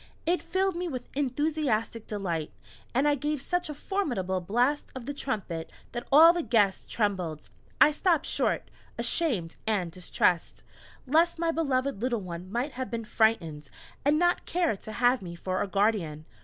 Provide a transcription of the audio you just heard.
It filled me with enthusiastic delight, and I gave such a formidable blast of the trumpet that all the guests trembled. I stopped short, ashamed and distressed, lest my beloved little one might have been frightened, and not care to have me for a guardian.